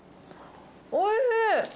おいしい！